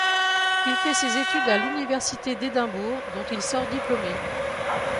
Il fait ses études à l'Université d'Édimbourg dont il sort diplômé.